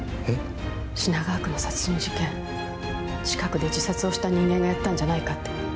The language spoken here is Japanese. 品川区の殺人事件近くで自殺をした人間がやったんじゃないかって。